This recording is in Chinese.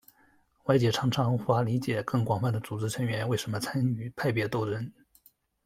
外界常常无法理解更广泛的组织成员为什么参与派别斗争。